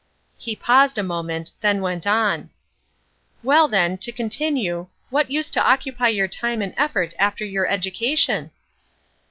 He paused a moment. Then went on: "Well, then, to continue, what used to occupy your time and effort after your education?"